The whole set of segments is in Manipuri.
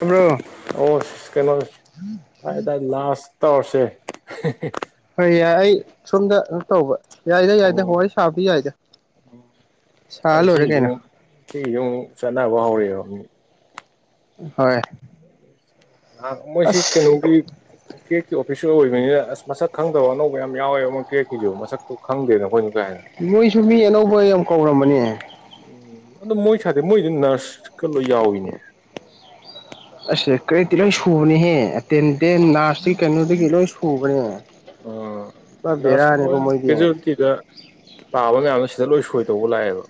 ꯇꯥꯕ꯭ꯔꯣ ꯑꯣ ꯀꯩꯅꯣ ꯄꯥꯏ ꯇꯥꯏ ꯂꯥꯁꯇꯁꯦ ꯍꯣꯏ ꯌꯥꯏ ꯑꯩ ꯁꯣꯝꯗꯩꯅ ꯇꯧꯕ ꯌꯥꯏꯗ ꯌꯥꯏꯗ ꯑꯣ ꯋꯥꯔꯤ ꯁꯥꯕꯗꯤ ꯌꯥꯏꯗ ꯁꯥꯔ ꯑꯩ ꯂꯣꯏꯔꯦ ꯀꯩꯅꯣ ꯁꯤꯒꯤꯁꯨꯨꯝ ꯁꯤꯒꯤꯁꯨ ꯆꯠꯅꯕ ꯍꯧꯔꯛꯑꯦꯕ ꯍꯣꯏ ꯃꯣꯏꯁꯤ ꯑꯁ ꯀꯩꯅꯣꯒꯤ ꯀꯦ ꯁ ꯑꯣꯏꯕꯅꯤꯅ ꯑꯁ ꯃꯁꯛ ꯈꯪꯗꯕ ꯑꯅꯧꯕ ꯌꯥꯝ ꯌꯥꯎꯋꯦꯕ ꯑꯃꯛ ꯀ꯭ꯔꯦꯛꯀꯤꯁꯨꯕꯨ ꯃꯁꯛꯇꯣ ꯈꯪꯗꯦꯅ ꯑꯩꯈꯣꯏꯅ ꯀꯥ ꯍꯦꯟꯅ ꯃꯣꯏꯁꯨ ꯃꯤ ꯑꯅꯧꯕ ꯌꯥꯝ ꯀꯧꯔꯝꯕꯅꯦ ꯎꯝ ꯑꯗꯨ ꯃꯣꯏ ꯁꯥꯗꯦ ꯃꯣꯏꯗꯤ ꯅꯔꯁꯀ ꯂꯣꯏ ꯌꯥꯎꯏꯤꯅꯦ ꯑꯁꯦ ꯀꯔꯤꯗꯤꯤ ꯂꯣꯏ ꯁꯨꯕꯅꯦꯍꯦ ꯑꯦꯇꯦꯟꯗꯦꯟ ꯅꯥꯔꯁꯇ ꯀꯩꯅꯣꯗꯒꯤ ꯂꯣꯏ ꯁꯨꯕꯅꯦ ꯎ ꯄꯨꯔꯥ ꯅꯁ ꯕꯦꯔꯥꯅꯤꯀꯣ ꯃꯣꯏꯗꯤ ꯀꯦꯖꯨꯋꯇꯤꯗ ꯄꯥꯕ ꯉꯌꯥꯝ ꯁꯤꯗ ꯂꯣꯏ ꯁꯣꯏ ꯇꯧꯕ ꯂꯥꯛꯑꯦꯕ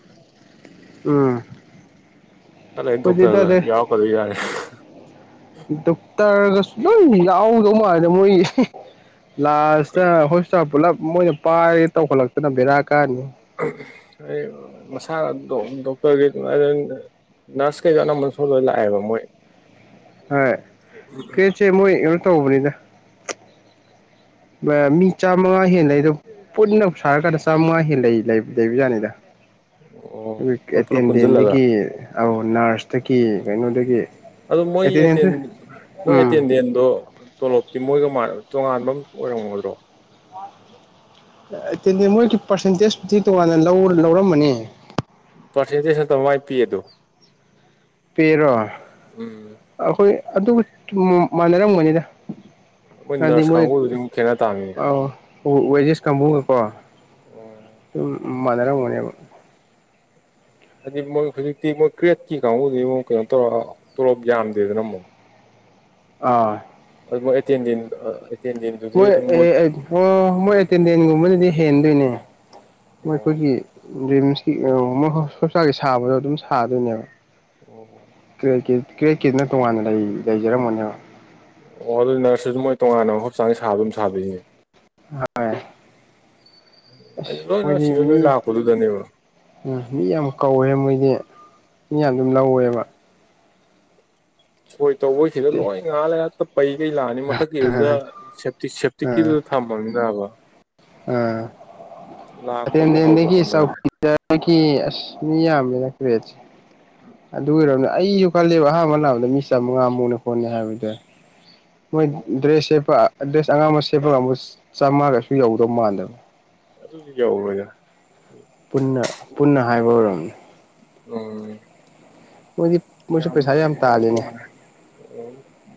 ꯎꯝ ꯑꯜ ꯑꯩꯈꯣꯏꯗꯤ ꯌꯦꯟꯇꯥꯔꯗ ꯏꯇꯥꯗꯤ ꯌꯥꯎ ꯀ ꯑꯗꯨ ꯌꯥꯔꯦ ꯗꯣꯛꯇꯔꯒꯁꯨ ꯑꯗꯨꯝ ꯌꯥꯎꯗꯧ ꯃꯥꯜꯗ ꯃꯣꯏꯒꯤ ꯂꯥꯁꯇ ꯍꯣꯁꯇꯥꯜ ꯄꯨꯂꯞ ꯃꯣꯏꯅ ꯄꯥꯏꯔꯒꯦ ꯇꯧꯈꯠꯂꯛꯇꯅ ꯕꯦꯔꯥꯠ ꯃꯁꯥꯅ ꯗꯣꯛꯇꯔꯒꯤ ꯑꯗꯨ ꯅꯔꯁ ꯀꯩꯗꯣ ꯑꯅꯝꯕꯟ ꯁꯣ ꯂꯣꯏ ꯂꯥꯛꯑꯦꯕ ꯃꯣꯏ ꯍꯣꯏ ꯀꯦꯁꯦ ꯃꯣꯏ ꯀꯩꯅꯣ ꯇꯧꯕꯅꯤꯗ ꯃꯤ ꯆꯥꯝꯃꯉꯥ ꯍꯦꯟ ꯂꯩ ꯑꯗ ꯄꯨꯟꯅ ꯁꯥꯔꯀꯥꯟꯗ ꯆꯥꯝꯃꯉꯥ ꯍꯦꯟꯟꯅ ꯂꯩꯕꯖꯥꯅꯤꯗ ꯑꯣ ꯃꯣꯏ ꯄꯨꯂꯞ ꯄꯨꯟꯁꯤꯜꯂꯒ ꯑꯦꯇꯦꯟꯗꯦꯟꯗꯒꯤ ꯅꯔꯁꯇꯒꯤ ꯀꯩꯅꯣꯗꯒꯤ ꯑꯗꯨ ꯃꯣꯏ ꯑꯦꯇꯦꯟꯗꯦꯟꯁꯨ ꯃꯣꯏ ꯎꯝ ꯑꯦꯇꯦꯟꯗꯦꯟꯗꯣ ꯇꯣꯂꯣꯞ ꯇ ꯃꯣꯏꯒ ꯇꯣꯉꯥꯟꯕ ꯑꯃ ꯑꯣꯏꯔꯝꯒꯗ꯭ꯔꯣ ꯃꯣꯏꯒꯤ ꯄꯥꯔꯁꯦꯟꯇꯦꯖꯄꯨꯗꯤ ꯇꯣꯉꯥꯟꯅ ꯂꯧꯔꯃꯅꯤ ꯄꯊꯗꯁ ꯇ ꯃꯥꯏ ꯄꯤꯌꯦꯗ ꯄꯦꯔꯣ ꯑꯩꯈꯣꯏ ꯑꯗꯨ ꯃꯥꯟꯅꯔꯝꯒꯅꯤꯗ ꯍꯥꯏꯗꯤ ꯅꯔꯁ ꯃꯣꯏ ꯀꯥꯡꯕꯨꯗꯨꯗꯤ ꯑꯃꯨꯛ ꯈꯦꯠꯅ ꯇꯥꯃꯤꯅꯦ ꯑ ꯋꯦꯖꯦꯁ ꯀꯥꯡꯕꯨꯒꯀꯣ ꯑꯗꯨꯝ ꯑꯣ ꯃꯥꯟꯅꯔꯝꯒꯅꯦꯕ ꯍꯥꯏꯗꯤ ꯃꯣꯏ ꯍꯧꯖꯤꯛꯇꯤ ꯃꯣꯏ ꯀ꯭ꯔꯦꯠꯀꯤ ꯀꯥꯡꯕꯨꯗꯤ ꯑꯃꯨꯛ ꯀꯩꯅꯣ ꯇꯧꯔ ꯇꯣꯂꯣꯞ ꯌꯥꯝꯗꯦꯗꯅ ꯑꯃꯨꯛ ꯑ ꯑꯦ ꯇꯤꯟꯗꯤ ꯃꯣꯏ ꯑꯦ ꯑꯣ ꯃꯣꯏ ꯑꯦꯇꯦꯟꯗꯦꯟꯒꯨꯝꯕꯅꯗꯤ ꯍꯦꯟꯗꯣꯏꯅꯦ ꯑꯣ ꯑꯩꯈꯣꯏꯒꯤ ꯔꯤꯝꯁꯀꯤꯣꯏ ꯍꯣꯁꯄꯤꯇꯥꯜꯒꯤ ꯁꯥꯕꯗꯣ ꯑꯗꯨꯝ ꯁꯥꯗꯣꯏꯅꯦꯕ ꯑꯣ ꯀꯦꯠ ꯀꯦꯗꯅ ꯇꯣꯉꯥꯟꯅ ꯂꯩꯖꯔꯝꯃꯣꯅꯦꯕ ꯑꯣ ꯑꯗꯨ ꯅꯔꯁꯇꯁꯨ ꯃꯣꯏ ꯇꯣꯉꯥꯟꯅ ꯍꯣꯁꯄꯤꯇꯥꯜ ꯁꯥꯕ ꯑꯗꯨꯝ ꯁꯥꯕꯤꯅꯦ ꯍꯥꯏꯣꯏ ꯑꯩꯗꯤ ꯑꯁ ꯂꯣꯏꯅ ꯃꯣꯏꯗꯤ ꯁꯤꯗ ꯂꯣꯏ ꯃꯤ ꯂꯥꯛꯄꯗꯨꯗꯅꯦꯕ ꯎ ꯃꯤ ꯌꯥꯝ ꯀꯧꯋꯦ ꯃꯣꯏꯗꯤ ꯃꯤ ꯌꯥꯝ ꯑꯗꯨꯝ ꯂꯧꯋꯦꯕ ꯍꯣꯏ ꯇꯧꯕꯣꯏꯁꯤꯗ ꯂꯣꯏ ꯉꯥꯜꯂꯦ ꯄꯩ ꯀꯩ ꯂꯥꯛꯑꯅꯤ ꯃꯊꯛꯀꯤꯗꯨꯗ ꯁꯦꯞꯇꯤ ꯁꯦꯞꯇꯤꯛꯀꯤꯗꯨꯗ ꯊꯝꯃꯅꯤꯗꯕ ꯂꯥꯛꯄꯕꯨ ꯍꯧꯕ ꯑꯗ ꯁ ꯍꯧꯅꯔꯦ ꯃꯤ ꯌꯥꯝꯃꯦꯅ ꯀ꯭ꯔꯦꯠꯁ ꯑꯗꯨ ꯎꯝ ꯑꯣꯏꯔꯕꯣꯅ ꯑꯩꯁꯨ ꯈꯜꯂꯦꯕ ꯑꯍꯥꯟꯕ ꯂꯅꯥꯥꯟꯕꯗ ꯃꯤ ꯆꯥꯝꯃꯉꯥ ꯑꯃꯃꯨꯛꯅꯦ ꯍꯣꯠꯅꯤ ꯍꯥꯏꯕꯗ ꯃꯣꯏ ꯑꯣ ꯗ꯭ꯔꯦꯁꯁꯦꯄ ꯑꯦꯗ꯭ꯔꯦꯁ ꯑꯉꯥꯡꯕ ꯁꯦꯝꯦꯄꯒ ꯑꯃꯨꯛ ꯆꯥꯝꯃꯉꯥꯒꯁꯨ ꯌꯧꯗꯧ ꯃꯥꯟꯗꯕ ꯑꯗꯨ ꯑꯗꯨꯗꯤ ꯌꯥꯎꯕꯖ ꯄꯨꯟꯅ ꯄꯨꯟꯅ ꯍꯥꯏꯕ ꯑꯣꯏꯔꯝꯅꯤ ꯎꯝ ꯃꯣꯏꯗꯤ ꯃꯣꯏꯁꯨ ꯄꯩꯁꯥ ꯌꯥꯝ ꯇꯥꯜꯂꯤꯅꯦ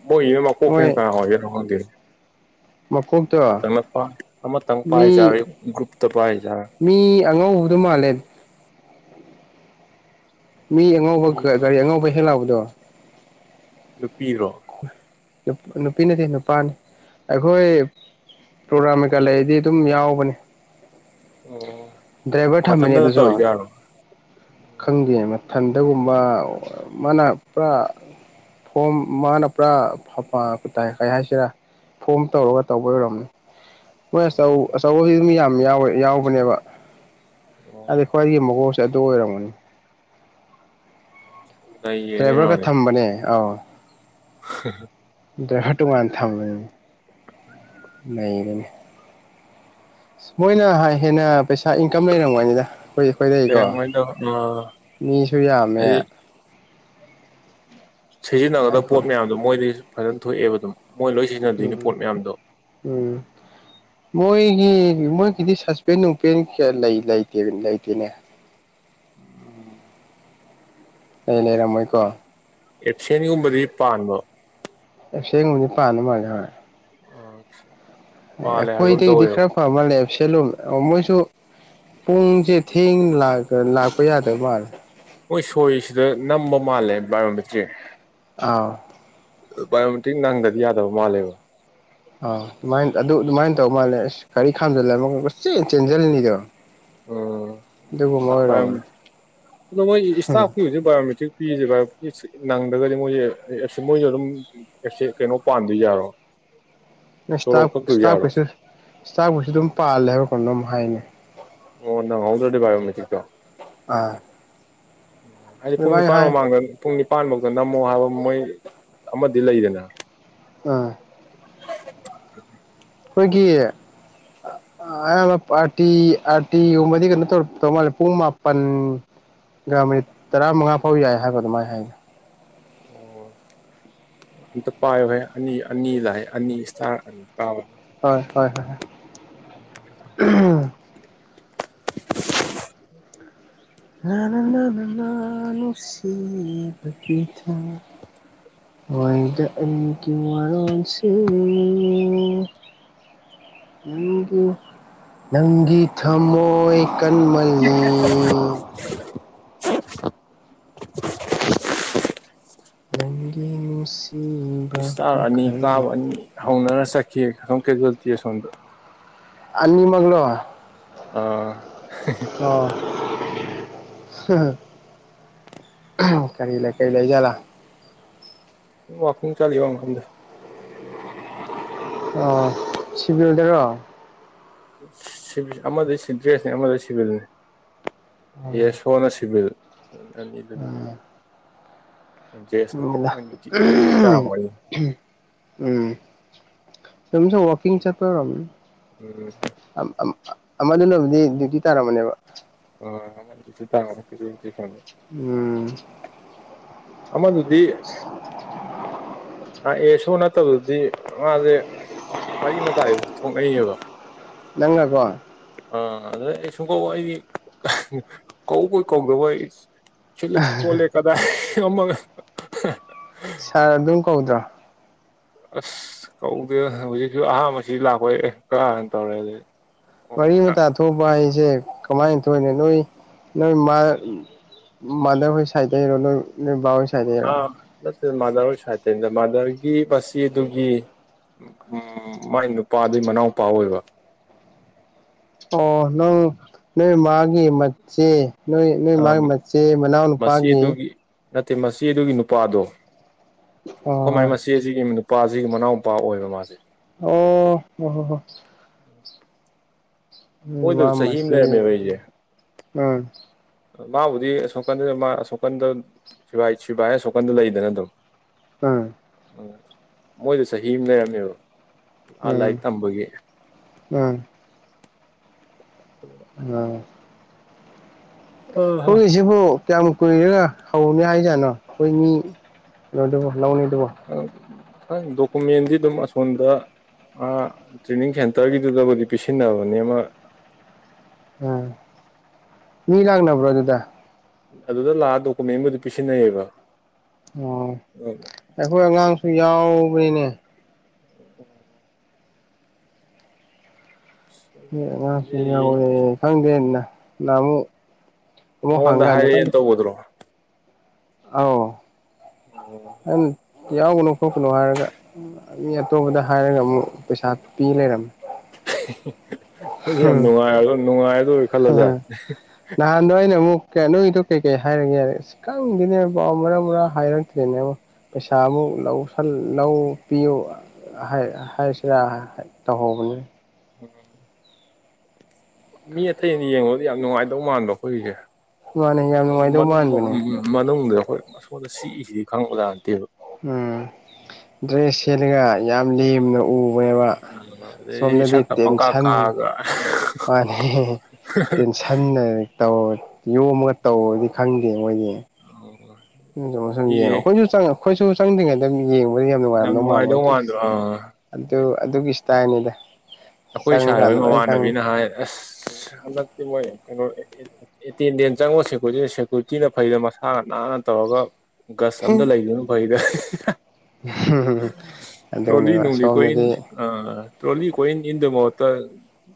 ꯃꯣꯏꯃ ꯀꯣ ꯀ ꯃꯣꯏ ꯀ ꯃꯀꯣꯛꯇꯣ ꯑꯃꯇꯪ ꯑꯃ ꯑꯃꯇꯪ ꯃꯤ ꯄꯥꯏꯖꯔꯦ ꯒ꯭ꯔꯨꯞꯇ ꯄꯥꯏꯖꯔꯦ ꯃꯤ ꯑꯉꯧꯕꯗ ꯃꯥꯜꯂꯦ [unintelligible] ꯃꯤ ꯑꯉꯧꯕ ꯃꯤ ꯒꯥꯔꯤ ꯑꯉꯧꯕ ꯍꯦꯛ ꯂꯥꯛꯕꯗꯣ ꯅꯨꯄꯤꯔꯣ ꯅꯨꯄꯤꯅꯗꯤ ꯅꯨꯄꯥꯅꯤ ꯑꯩꯈꯣꯏ ꯄ꯭ꯔꯣꯒ꯭ꯔꯥꯝ ꯀꯩꯀꯥ ꯂꯩꯗꯤ ꯑꯗꯨꯝ ꯌꯥꯎꯕꯅꯦ ꯑꯣ ꯗ꯭ꯔꯥꯏꯚꯔ ꯊꯝꯝꯕꯅꯦ ꯃꯊꯟꯇꯅ ꯑꯗꯨꯁꯨ ꯇꯧꯔꯤꯖꯥꯔꯣ ꯑꯣ ꯈꯪꯗꯦ ꯃꯊꯟꯗꯒꯨꯝꯕ ꯃꯥꯅ ꯄꯨꯔꯥ ꯐꯣꯝ ꯃꯥꯅ ꯄꯨꯔꯥꯥꯏ ꯀ ꯍꯥꯏꯁꯤꯔꯥ ꯐꯣꯝ ꯇꯧꯔꯒ ꯇꯧꯕꯔꯝꯅꯤ ꯍꯣꯏ ꯑꯆꯧ ꯑꯣ ꯑꯆꯧꯕꯁꯤꯗꯨ ꯌꯥꯝ ꯌꯥꯋꯦ ꯌꯥꯎꯕꯅꯦꯕ ꯑꯗ ꯑꯣ ꯈ꯭ꯋꯥꯏꯗꯒꯤ ꯃꯒꯡꯁꯦ ꯑꯗꯨ ꯑꯣꯏꯔꯝꯒꯅꯤ ꯅꯩꯔꯦꯅꯦ ꯗ꯭ꯔꯥꯏꯚꯔꯒ ꯊꯝꯕꯅꯦ ꯑꯥꯎ ꯍ ꯗ꯭ꯔꯍ ꯇꯉꯥꯟꯅ ꯊꯝꯒꯅꯤ ꯂꯩꯒꯅꯤ ꯃꯣꯏꯅ ꯍꯦꯟꯅ ꯄꯩꯁꯥ ꯏꯟꯀꯝ ꯂꯩꯔꯝꯒꯅꯤꯗ ꯑꯩꯈꯣꯏ ꯑꯩꯈꯣꯏꯗꯀꯣ ꯂꯩꯔꯝꯃꯣꯏꯗ ꯑ ꯃꯤꯁꯨ ꯌꯥꯝꯃꯦ ꯑꯩꯗꯤ ꯁꯤꯖꯤꯟꯅꯒꯗꯕ ꯄꯣꯠ ꯑꯩꯈꯣꯏ ꯃꯌꯥꯝꯗꯣ ꯃꯣꯏꯗꯤ ꯐꯖꯅ ꯊꯣꯛꯑꯦꯕ ꯑꯗꯨꯝ ꯃꯣꯏ ꯂꯣꯏ ꯁꯤꯖꯤꯟꯅꯗꯣꯏꯅꯤ ꯎꯝ ꯄꯣꯠ ꯃꯌꯥꯝꯗꯣ ꯎꯝ ꯃꯣꯏ ꯃꯣꯏꯒꯤꯗꯤ ꯁꯥꯁꯄꯦꯟ ꯅꯨꯡꯄꯦꯟ ꯀꯌꯥ ꯂꯩ ꯂꯩꯇꯦ ꯂꯩꯇꯦꯅꯦ ꯑꯦ ꯂꯩꯔꯝꯃꯣꯣꯏꯀꯣ ꯑꯦꯊꯦꯟꯒꯨꯝꯕꯗꯤ ꯄꯥꯟꯕ ꯁꯦꯡꯉꯅꯤ ꯄꯥꯅ ꯃꯥꯔ ꯍꯔ ꯑ ꯈꯣꯣꯏ ꯏꯗꯗꯤ ꯈꯔ ꯈ ꯂꯩ ꯁꯦꯂꯨꯝ ꯃꯣꯏꯁꯨ ꯄꯨꯡꯁꯦ ꯊꯦꯡꯅ ꯂꯥꯛꯄ ꯌꯥꯗꯕ ꯃꯥꯜꯂꯦ ꯃꯣꯏ ꯁꯣꯏꯔꯤꯁꯤꯗ ꯅꯝꯕ ꯃꯥꯜꯂꯦ ꯕꯥꯏꯑꯣꯃꯦꯇ꯭ꯔꯤ ꯑꯥꯎ ꯕꯥꯌꯑꯣꯃꯇꯤꯛ ꯅꯪꯗꯗꯤ ꯌꯥꯗꯕ ꯃꯥꯜꯂꯦꯕ ꯑꯥꯎ ꯑꯗꯨꯃꯥꯏ ꯑꯗꯨ ꯑꯗꯨꯃꯥꯏꯅ ꯇꯧ ꯃꯥꯜꯂꯦ ꯑꯁ ꯀꯒꯥꯔꯤ ꯈꯥꯝꯖꯤꯜꯂꯃ ꯆꯦꯟꯁꯤꯜꯂꯤꯅꯤꯗꯕꯣ ꯎ ꯑ ꯑꯣꯏꯔꯝꯒꯅꯤ ꯃ ꯏꯁꯇꯥꯐꯀꯤ ꯍꯧꯖꯤꯦ ꯏꯑꯣꯃꯦꯇ꯭ꯛ ꯄꯤꯁꯦ ꯅꯪꯗ꯭ꯔꯒꯗꯤ ꯃꯣꯏꯁꯦ ꯃꯣꯏꯁꯨ ꯑꯗꯨꯝ ꯑꯦꯁ ꯀꯩꯅꯣ ꯄꯥꯝꯗ ꯌꯥꯔꯣ ꯎ ꯅ ꯏꯁꯇꯥ ꯏꯁꯇꯥ ꯀꯩꯁꯨ ꯏꯁꯇꯥꯐ ꯀꯩꯁꯨ ꯑꯗꯨꯝ ꯄꯥꯜꯂꯦ ꯍꯥꯏꯕ ꯀꯗ ꯑꯗꯨꯝ ꯍꯥꯏꯅꯤ ꯑꯣ ꯅꯪ ꯍꯧꯗ꯭ꯔꯣꯗꯤ ꯥꯏ ꯆꯤꯛꯇꯣ ꯑꯥ ꯍꯥꯏꯗꯤ ꯄꯨꯡ ꯑꯗꯨꯃꯥꯏꯅ ꯅꯤꯄꯥꯟ ꯍꯥꯏ ꯃꯃꯥꯡꯗ ꯄꯨꯡ ꯅꯤꯄꯥꯟꯃꯧꯛꯇ ꯅꯝꯃꯣ ꯍꯥꯏꯕ ꯃꯣꯏ ꯑꯃꯗꯤ ꯂꯩꯗꯅ ꯑ [inaudible] ꯍꯣꯏꯒꯤ ꯑꯥꯇꯤ ꯑꯥꯇꯤꯒꯨꯝꯕꯗꯤ ꯀꯩꯅ ꯇꯧ ꯇꯧ ꯃꯥꯜꯂꯦ ꯄꯨꯡ ꯃꯥꯄꯟ ꯃꯤꯅꯤꯠ ꯇꯔꯥꯃꯉꯥ ꯐꯥꯎ ꯌꯥꯏ ꯍꯥꯏꯕ ꯑꯗꯨꯃꯥꯏꯅ ꯍꯥꯏꯒꯦ ꯑꯣ ꯑꯝꯇ ꯄꯥꯏꯌꯨ ꯍꯥꯏꯦ ꯑꯅꯤ ꯑꯅꯤ ꯂꯥꯛꯑ ꯑꯅꯤ ꯏꯁꯔ ꯑꯅꯤ ꯀꯥꯕ ꯍꯣꯏ ꯍꯣꯏ ꯍꯣꯏ ꯎꯝ ꯅꯅ ꯅ ꯅ ꯅꯅꯁꯤꯕꯕꯤꯊ ꯍꯣꯏꯗ ꯑꯅꯤ ꯀ ꯃꯔꯔꯣꯟ ꯁ ꯑꯒꯤ ꯅꯪꯒꯤ ꯊꯃꯣꯏ ꯀꯟꯃꯜꯂꯤ [unintelligible] [inaudible] ꯅꯪꯒꯤ ꯌꯅꯨꯡꯁꯤꯕ ꯃꯈꯈꯩ ꯆꯈꯤ ꯑꯃꯨ ꯀꯦ ꯇꯁꯣꯗ ꯑꯅꯤ ꯃꯪꯂꯣ ꯑꯥ ꯍ ꯀꯔꯤ ꯂꯩ ꯀꯩ ꯂꯩꯖꯂ ꯋꯥꯐꯝ ꯆꯂꯤ ꯋꯥ ꯀꯗ ꯑ ꯁꯤꯕꯤꯨꯗꯦꯔꯣ ꯑꯃꯗ ꯁꯤ ꯗ꯭ꯔꯦꯁꯅꯤ ꯑꯃꯗ ꯁꯤꯚꯜꯅꯦ ꯎꯝ ꯌꯦꯁꯣꯅ ꯁꯤꯚꯤꯜ ꯑꯅꯤꯗꯨꯅ ꯎ ꯗ꯭ꯔꯦꯁꯅꯤ ꯃꯣꯏ ꯗ꯭ꯌꯨꯇꯤ ꯗ꯭ꯌꯨꯇꯤ ꯇꯥꯔꯝꯒꯅꯤ ꯎꯝ ꯝꯁꯨꯣ ꯋꯥꯀꯤꯡ ꯆꯠꯄꯔꯣꯝ ꯎꯝ ꯑꯃꯗꯨꯅꯕꯗꯤ ꯗ꯭ꯌꯨꯇꯤ ꯇꯥꯔꯝꯃꯅꯦꯕ ꯑꯣ ꯁꯤ ꯎꯝ ꯑꯃꯗꯤ ꯑꯦ ꯁꯣ ꯅꯠꯇꯕꯗꯗꯤ ꯃꯥꯁꯦ ꯃꯔꯤ ꯃꯇꯥꯏꯗꯨ ꯊꯣꯛꯅꯩꯑꯕ ꯅꯪꯅꯀꯣ ꯑ ꯑꯗꯨꯝ ꯀꯗꯤ ꯀꯧꯣꯏ ꯀꯧꯗꯕꯣꯏ ꯁꯤꯂꯤꯠ ꯀꯣꯜꯂꯦ ꯀꯗꯥꯏ ꯋꯥꯃ ꯁꯥꯔ ꯑꯗꯨꯝ ꯀꯧꯗ꯭ꯔꯣ ꯑꯁ ꯀꯧꯗꯦ ꯍꯧꯖꯤꯛꯁꯨ ꯑꯍꯥꯕꯁꯤ ꯂꯥꯛꯄ ꯑꯦ ꯀꯔꯅ ꯇꯧꯔꯦ ꯑꯗꯨꯗꯤ ꯃꯔꯤ ꯃꯇꯥ ꯊꯣꯛꯄ ꯍꯥꯏꯁꯦ ꯀꯃꯥꯏꯅ ꯊꯣꯛꯏꯅ ꯅꯣꯏ ꯅꯣꯏ ꯃꯥꯜ ꯍ ꯆꯥꯏꯗꯔꯣ ꯅꯣꯏꯕꯥꯣꯏ ꯁꯥꯏꯗꯔꯣ ꯑ ꯅꯠꯇꯦ ꯃꯥꯗꯔ ꯁꯥꯏꯠꯇꯔꯤꯗ ꯃꯥꯗꯔꯒꯤ ꯃꯁꯤ ꯑꯗꯨꯒꯤ ꯎ ꯎꯝ ꯃꯥꯏ ꯅꯨꯄꯥꯗꯨꯩ ꯃꯅꯥꯎꯨꯄꯥ ꯑꯣꯏꯕ ꯑꯣ ꯅꯪ ꯅꯣꯏ ꯃꯥꯒꯤꯦ ꯃꯦ ꯅꯣꯏ ꯅꯣꯏ ꯃꯥꯒꯤ ꯃꯆꯦ ꯃꯅꯥꯎ ꯅꯨꯄꯥꯒꯤ ꯃꯆꯦꯗꯨꯒꯤ ꯅꯠꯇꯦ ꯃꯆꯦ ꯑꯗꯨꯒꯤ ꯅꯨꯄꯥꯗꯣ ꯑꯩꯈꯣꯏ ꯃꯥꯏ ꯍꯣꯏ ꯃꯆꯦ ꯑꯁꯤꯒꯤ ꯅꯨ ꯅꯨꯄꯥꯁꯤꯒꯤ ꯃꯅꯥꯎꯨꯄꯥ ꯑꯣꯏꯑꯕ ꯃꯥꯁꯦ ꯑꯣ ꯑꯣ ꯍꯣ ꯍꯣ ꯅꯣꯏ ꯃꯥ ꯑꯣꯏꯣꯏꯗ ꯆꯍꯤꯍꯤ ꯑꯃ ꯃꯆꯦ ꯂꯩꯔꯝꯃꯦꯕꯏꯁꯦ ꯎꯝ ꯃꯥꯕꯨꯗꯤ ꯑꯁꯣꯀꯟꯗ ꯑꯁꯣꯛꯀꯟꯗ ꯁꯤꯕꯥꯏ ꯑꯁꯣꯛꯀꯟꯗ ꯂꯩꯗꯅ ꯑꯗꯨꯝ ꯎꯝ ꯎꯝ ꯃꯣꯏꯗ ꯆꯍꯤ ꯑꯃ ꯂꯩꯔꯝꯃꯦꯕ ꯂꯥꯟ ꯂꯥꯏ ꯎꯝ ꯇꯝꯕꯒꯤ ꯎꯝ ꯍꯧꯈꯒꯤꯁꯤꯕꯨ ꯀꯌꯥꯝ ꯀꯨꯏꯔꯒ ꯍꯧꯅꯤ ꯍꯥꯏ ꯅꯣ ꯑꯩꯈꯣꯏ ꯃꯤ ꯂ ꯐ ꯗꯣꯀꯨꯃꯦꯟꯗꯤ ꯑꯗꯨꯝ ꯑꯁꯣꯟꯗ ꯑ ꯇ꯭ꯔꯦꯅꯤꯡ ꯁꯦꯟꯇꯔꯒꯤꯗꯨꯗꯕꯨꯗꯤ ꯄꯤꯁꯤꯟꯅꯕꯅꯦ ꯑꯃ ꯎꯝ ꯃꯤ ꯂꯅ ꯄ꯭ꯔꯣ ꯑꯗꯨꯗ ꯑꯗꯨꯗ ꯂꯥꯛꯑ ꯗꯣꯀꯨꯃꯦꯟꯕꯨꯗꯤ ꯄꯤꯁꯤꯟꯅꯩꯌꯦꯕ ꯑꯣ ꯑꯩꯈꯣꯏ ꯑꯉꯥꯡꯁꯨ ꯌꯥꯎꯕꯅꯤꯅꯦ ꯍ ꯉꯥꯁꯨ ꯌꯥꯎꯋꯦ ꯈꯪꯗꯦꯅ ꯅꯍ ꯑꯃꯨꯛ ꯋꯥ ꯅꯪꯉꯣꯟꯗ ꯍꯪꯒꯥꯅꯦ ꯈ ꯍꯥꯏꯔꯛꯑꯦꯅ ꯇꯧꯕꯗꯨꯔꯣ ꯑ ꯑꯩꯈꯣꯏꯗꯤ ꯎ ꯌꯥꯎꯒꯅꯨ ꯈꯣꯠꯄꯅꯣ ꯍꯥꯏꯔꯒ ꯃꯤ ꯑꯇꯣꯞꯄꯗ ꯍꯥꯏꯔꯒ ꯑꯃꯨꯛ ꯄꯩꯁꯥ ꯄꯤ ꯂꯩꯔꯝꯃꯦ [inaudible] ꯍꯣꯏꯁ ꯌꯥꯝ ꯅꯨꯡꯉꯥꯏꯔ ꯅꯨꯡꯉꯥꯏꯔꯗꯣꯏꯔ ꯈꯜꯂꯁꯥ ꯅꯍꯥꯟꯗꯣ ꯑꯩꯅ ꯑꯃꯨꯛ ꯅꯣꯏꯒꯤꯗꯣ ꯀꯩꯀꯩ ꯍꯥꯏꯔꯒꯦ ꯌꯥꯔꯦ ꯈꯪꯗꯅꯦꯕ ꯄꯥꯎ ꯃꯔꯥ ꯃꯔꯥꯡ ꯍꯥꯏꯔꯛꯇ꯭ꯔꯤꯅꯦ ꯄꯩꯁꯥ ꯑꯃꯨꯛ ꯂꯧ ꯂꯧ ꯄꯤꯌꯨ ꯍꯥꯏꯁꯤꯔꯥ ꯇꯧꯍꯧꯕꯅꯤ ꯑꯣ ꯃꯤ ꯑꯇꯩ ꯑꯅꯤ ꯌꯦꯡꯕꯗ ꯌꯥꯝ ꯅꯨꯡꯉꯥꯏꯗꯧ ꯃꯥꯟꯕ ꯑꯩꯈꯣꯏꯒꯤꯁꯦ ꯃꯥꯅꯦ ꯌꯥꯝ ꯁꯣꯗ ꯅꯨꯡꯉꯥꯏꯗꯧ ꯃꯥꯟꯕꯅꯦ ꯃꯅꯨꯡꯗ ꯑꯩꯈꯣꯏ ꯁꯣꯗ ꯁꯤꯛꯏꯁꯤꯗꯤ ꯈꯪꯉꯛꯕꯗꯥ ꯅꯠꯇꯦꯕ ꯎꯝ ꯗ꯭ꯔꯦꯁ ꯁꯦꯂꯒ ꯌꯥꯝ ꯂꯦꯝꯅ ꯎ ꯑꯣꯏꯕ ꯑꯗꯩ ꯁꯣꯝꯗꯗꯤ ꯁꯛꯀ ꯄꯪꯀꯥ ꯇꯦꯟꯁꯟ ꯀꯥꯑꯒ ꯃꯥꯅꯤ ꯇꯦꯟꯁꯟꯅꯧ ꯌꯣꯝꯃꯒ ꯇꯧꯕꯗꯤ ꯈꯪꯗꯦ ꯃꯣꯏꯗꯤ ꯁꯨꯝ ꯃꯤꯁꯦ ꯌꯦꯡꯉꯣ ꯑꯩꯈꯣꯏꯁꯨ ꯑꯩꯈꯣꯏꯁꯨ ꯆꯪꯗ꯭ꯔꯤꯉꯩꯗꯝ ꯌꯦꯡꯉꯣ ꯌꯥꯝ ꯅꯨꯡꯉꯥꯏꯔꯝꯗꯧ ꯃꯥꯝꯃꯣ ꯅꯨꯡꯉꯥꯏꯗꯧ ꯑꯗꯨ ꯃꯥꯟꯗ꯭ꯔꯣ ꯑꯥ ꯑꯗꯨ ꯑꯗꯨꯒꯤ ꯏꯁꯇꯥꯏꯜꯅꯤꯗ ꯑꯩꯈꯣꯏ ꯁ ꯍꯒꯤ ꯆꯪꯀꯥꯟꯗ ꯂꯣꯏ ꯈꯪꯅꯤ ꯃꯃꯥꯟꯅꯕꯤꯅ ꯍꯥꯏ ꯑꯁ ꯍꯟꯗꯛꯇꯤ ꯃꯣꯏ ꯀꯩꯅꯣ ꯑꯦꯇꯦꯟꯗꯦꯟ ꯆꯪꯕ ꯁꯦꯀꯌꯨꯔꯤꯇꯤ ꯁꯦꯀ꯭ꯌꯨꯔꯤꯇꯤꯅ ꯐꯩꯗꯅ ꯃꯁꯥ ꯉ ꯅꯥ ꯍꯅ ꯇꯧꯔꯒ ꯒꯁ ꯑꯝꯇ ꯂꯩꯗꯣꯏꯅ ꯐꯩꯗ ꯇ꯭ꯔꯣꯂꯤ ꯑꯗꯨꯅꯦꯕ ꯅꯅꯨꯡꯂꯤ ꯀꯣꯏ ꯁꯣꯝꯗꯗꯤ ꯑ ꯇ꯭ꯔꯣꯂꯤ ꯀꯣꯏꯅ ꯏꯟꯗꯨꯕ ꯃꯍꯨꯠꯇ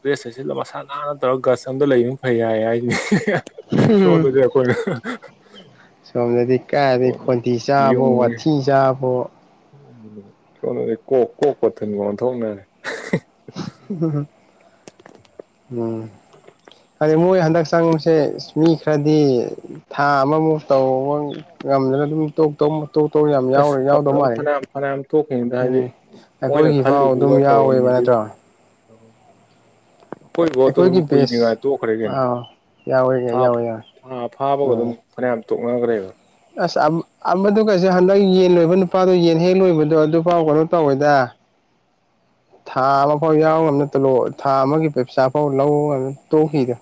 ꯗ꯭ꯔꯦꯁ ꯆ ꯑꯁꯤꯜꯂ ꯃꯁꯥ ꯅꯥꯟꯅ ꯇꯧꯔꯒ ꯒꯁ ꯑꯝꯗ ꯂꯩꯕꯅ ꯐꯩ ꯍꯥꯏꯏ ꯍꯥꯏꯁꯤꯅꯤ ꯁꯣꯟꯗꯖꯈꯣꯏꯣꯏ ꯁꯣꯝꯗꯗꯤ ꯀꯥꯏꯗꯤ ꯈꯣꯟꯗꯤ ꯆꯥꯕꯣ ꯋꯥꯊꯤ ꯆꯥꯕꯣ ꯅꯦ ꯀꯣꯛ ꯀꯣꯛ ꯀꯊꯟꯒꯟꯊꯣꯡꯅꯔꯅꯦ ꯍꯝ [inaudible] ꯍꯥꯏ ꯃꯣꯏ ꯍꯟꯗꯛ ꯆꯪꯕꯁꯦ ꯃꯤ ꯈꯔꯗꯤ ꯊꯥ ꯑꯃꯃꯨꯛ ꯇ ꯌꯥꯝꯗꯅ ꯑꯗꯨꯝ ꯇꯣꯛ ꯇꯧ ꯑ ꯐ ꯐ ꯊꯣꯛꯈꯤꯉꯩꯗ ꯍꯥꯏꯗꯤ ꯎꯝ ꯑꯣꯏꯅ ꯑꯩꯈꯣꯏꯒꯤ ꯐꯥꯎ ꯈꯜꯂꯤꯗꯨꯒ ꯑꯗꯨꯝ ꯌꯥꯎꯋꯦꯕ ꯇꯧꯔꯝꯃꯤꯗꯨꯗ ꯅꯠꯇ꯭ꯔꯣ ꯑꯩꯈꯣꯏ ꯕꯣꯠꯇ ꯑꯗꯨꯝ ꯑꯩꯈꯣꯏꯒꯤ ꯕꯦꯁ ꯀꯨꯏꯅꯤꯡꯉꯥꯏ ꯇꯣꯛꯈ꯭ꯔꯦ ꯀꯩꯅꯣ ꯑꯥꯎ ꯌꯥꯎꯋꯦ ꯊꯥ ꯌꯥꯎꯋꯦ ꯌꯥꯎꯋꯦ ꯐꯥꯕꯒ ꯑꯗꯨꯝ ꯎꯝ ꯐꯅꯌꯥꯝ ꯇꯣꯛꯅꯈ꯭ꯔꯦꯕ ꯑꯁ ꯑꯃꯗꯨ ꯀꯩꯁꯦ ꯍꯟꯗꯛ ꯌꯦꯟ ꯂꯣꯏꯕ ꯅꯨꯄꯥꯗꯣ ꯌꯦꯟ ꯍꯦꯛ ꯂꯣꯏꯕꯗꯣ ꯑꯗꯨꯐꯥꯎ ꯀꯩꯅꯣ ꯇꯧꯋꯦꯗ [inaudible] ꯊꯥ ꯑꯃ ꯐꯥꯎ ꯌꯥꯎ ꯉꯝꯅꯂꯛꯑꯣ ꯊꯥ ꯑꯃꯒꯤ ꯄꯩꯁꯥ ꯐꯥꯎ ꯂꯧ ꯉ ꯇꯣꯛꯈꯤꯗ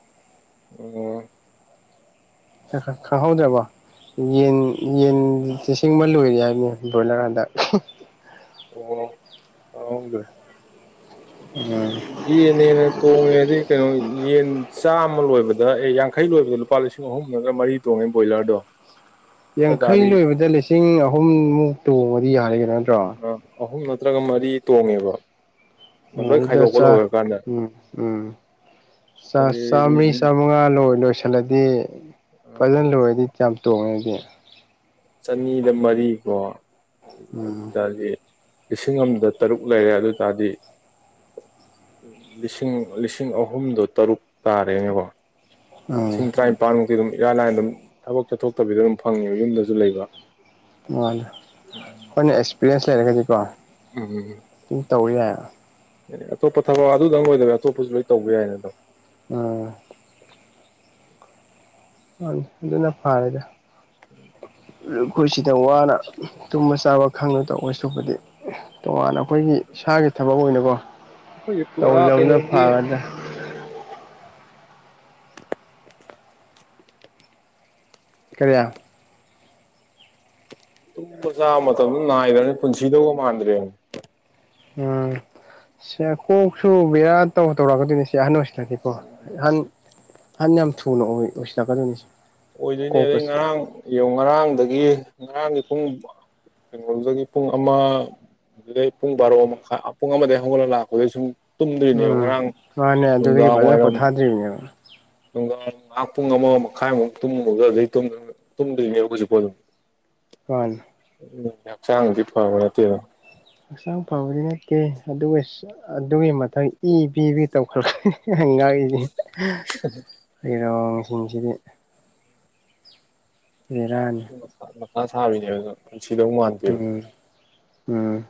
ꯑꯣ ꯈꯍꯧꯗꯕ ꯌꯦꯟ ꯌꯦꯟꯁꯤꯡꯕ ꯂꯣꯏꯔꯦ ꯍꯥꯏꯕꯅꯤ ꯕ꯭ꯔꯣꯏꯂꯔꯀꯥꯟꯗ ꯑꯣ ꯑꯥꯎꯕ ꯌꯦꯟꯦꯅ ꯇꯣꯡꯉꯦꯗꯤ ꯀꯩꯅꯣ ꯌꯦꯟ ꯆꯥ ꯃ ꯂꯣꯏꯕꯗ ꯑꯦ ꯌꯥꯡꯈꯩ ꯂꯣꯏꯕꯗ ꯂꯨꯄꯥ ꯂꯤꯁꯤꯡ ꯑꯍꯨꯝ ꯅꯠꯇ꯭ꯔꯒ ꯃꯔꯤ ꯇꯣꯡꯉꯦ ꯕꯣꯏꯂꯔꯗꯣ ꯑꯗꯨ ꯌꯥꯡꯈꯩ ꯇꯥꯔꯗꯤ ꯂꯣꯏꯕꯗ ꯂꯤꯁꯤꯡ ꯑꯍꯨꯝꯃꯨꯛ ꯇꯣꯡꯕꯗꯤ ꯌꯥꯔꯒ ꯅꯠꯇ꯭ꯔꯣ ꯑꯍꯨꯝ ꯅꯠꯇ꯭ꯔꯒ ꯃꯔꯤ ꯇꯣꯡꯉꯦꯕ ꯑ ꯂꯣꯏ ꯎꯗ ꯈꯥꯏꯗꯣꯛꯄ ꯆ ꯂꯣꯏꯈ꯭ꯔꯀꯥꯟꯗ ꯎꯝ ꯎꯝ ꯆ ꯁꯅꯤ ꯑꯗꯨꯗꯤ ꯆꯉꯥ ꯂꯣ ꯂꯣꯏ ꯈꯜꯂꯗꯤ ꯐꯖꯅ ꯂꯣꯏꯔꯗꯤ ꯌꯥꯝ ꯇꯣꯡꯉꯦꯗꯤ ꯆꯅꯤꯗ ꯃꯔꯤꯀꯣ ꯎꯝ ꯑꯗꯨꯗꯤ ꯂꯤꯁꯤꯡ ꯑꯃꯗ ꯇꯔꯨꯛ ꯂꯩꯔꯦ ꯑꯗꯨ ꯇꯥꯔꯗꯤ ꯂꯤꯁꯤꯡ ꯂꯤꯁꯤꯡ ꯑꯍꯨꯝꯗꯣ ꯇꯔꯨꯛ ꯇꯥꯔꯦꯅꯦꯀꯣ ꯎꯝ ꯂꯤꯁꯤꯡ ꯇꯔꯥꯅꯤꯄꯥꯟꯃꯨꯛꯇꯤ ꯑꯗꯨꯝ ꯏꯔꯥꯏ ꯂꯥꯏꯅ ꯑꯗꯨꯝ ꯊꯕꯛ ꯆꯠꯊꯣꯛꯇꯕꯤꯗ ꯑꯗꯨꯝ ꯐꯪꯉꯦꯕ ꯌꯨꯝꯗꯁꯨ ꯂꯩꯕ ꯍꯣꯏꯅ ꯑꯦꯛꯁꯄꯤꯔꯤꯌꯦꯟꯁ ꯂꯩꯔꯒꯗꯤꯀꯣ ꯎꯝ ꯇꯧꯔꯤ ꯌꯥꯏ ꯑꯦ ꯑꯇꯣꯞꯄ ꯊꯕꯛ ꯑꯗꯨꯗꯪ ꯑꯣꯏꯗꯕ ꯑꯇꯣꯞꯄꯁꯨ ꯂꯣꯏ ꯇꯧꯕ ꯌꯥꯏꯅꯦ ꯑꯗꯨꯝ ꯑ ꯑ ꯑꯗꯨꯟꯅ ꯐꯔꯗ ꯎꯝ ꯑꯩꯈꯣꯏꯁꯤꯗ ꯋꯥꯅ ꯇꯨꯝꯕ ꯆꯥꯕ ꯈꯪꯗ ꯇꯈ ꯁꯣꯛꯄꯗꯤ ꯇꯣꯉꯥꯟꯅ ꯑꯩꯈꯣꯏꯒꯤ ꯏꯁꯥꯒꯤ ꯊꯕꯛ ꯑꯣꯏꯅꯀꯣ ꯑꯩꯈꯣꯏꯁꯦ ꯄꯨꯔꯥ ꯇꯧꯖꯧꯖ ꯀꯩꯅꯣꯒꯤ ꯐꯔꯗ [inaudible] ꯀꯔꯤ ꯇꯨꯝꯕ ꯆꯥ ꯃꯇꯝꯖ ꯅꯥꯏꯗ꯭ꯔꯃꯤ ꯄꯨꯟꯁꯤꯗꯧꯕ ꯃꯥꯟꯗ꯭ꯔꯦꯃꯤ ꯎꯝ ꯁꯤ ꯀꯣꯛꯁꯨ ꯕꯦꯔꯥ ꯇꯧ ꯇꯧꯔꯛꯀꯗꯣꯏꯅꯦ ꯁꯤ ꯑꯍꯟ ꯑꯣꯏꯁ ꯒꯦꯀꯣ ꯏꯍꯟ ꯑꯍꯥꯟ ꯌꯥꯝ ꯊꯨꯅ ꯑꯣꯏ ꯑꯣꯏꯁꯤꯜꯂꯛꯀꯗꯣꯏꯅꯤꯁ ꯑꯣꯏꯗꯣꯏꯅꯦ ꯑꯩ ꯉꯔꯥꯡ ꯌꯦꯡꯉꯣ ꯉꯔꯥꯡꯗꯒꯤ ꯉꯔꯥꯡꯒꯤ ꯄꯨꯡ ꯕꯥ ꯀꯩꯅꯣꯗꯨꯗꯒꯤ ꯄꯨꯡ ꯑꯃ ꯑꯗꯨꯗꯩ ꯄꯨꯡ ꯕꯥꯔꯣ ꯃꯈꯥꯏ ꯄꯨꯡ ꯑ ꯑꯃꯗꯩ ꯍꯧꯒꯠꯂꯒ ꯂꯥꯛꯄꯗꯩ ꯁꯨꯝ ꯇꯨꯝꯗ꯭ꯔꯤꯅꯦꯕ ꯎꯝ ꯉꯔꯥꯡ ꯃꯥꯅꯦ ꯑꯗꯨꯗꯒꯤ ꯅꯨꯡꯗꯥꯡ ꯐꯖꯅ ꯋꯥꯏꯔꯝ ꯄꯣꯊꯥꯗ꯭ꯔꯤꯕꯅꯦꯕ ꯅꯨꯡꯗꯥꯡ ꯉꯥꯍꯥꯛ ꯄꯨꯡ ꯑꯃ ꯃꯈꯥꯏꯃꯨꯛ ꯇꯨꯝꯃꯒ ꯍꯖꯤꯛ ꯇꯨꯝꯗ ꯂꯩ ꯇꯗꯅꯦꯁꯨ ꯐꯣꯂ [inaudible] ꯃꯥꯅꯤ ꯑꯗꯤ ꯍꯛꯆꯥꯡꯗꯤ ꯐꯕ ꯅꯠꯇꯦꯅ ꯍꯛꯆꯥꯡ ꯐꯕꯗꯤ ꯅꯠꯇꯦ ꯑꯗꯨꯋꯤꯁ ꯑꯗꯨꯒꯤ ꯃꯊꯪ ꯏ ꯄꯤꯕꯤ ꯇꯧꯈꯠꯂꯛꯏ ꯍꯤ ꯍꯤ ꯍꯤ ꯍꯉꯥꯏꯏꯗꯤ ꯍꯥ ꯍꯩꯔꯣꯡꯁꯤꯡꯁꯤꯗꯤ ꯕꯦꯔꯥꯅꯤ ꯑꯁꯥꯕꯤꯅꯦ ꯍꯥꯏꯔꯒ ꯎꯝ ꯎꯝ ꯎꯝ